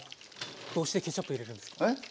どうしてケチャップ入れるんですか？